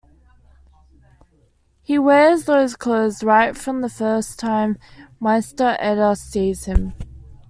He wears those clothes right from the first time Meister Eder sees him.